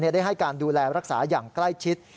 ได้ให้การดูแลรักษาอย่างใกล้ชิด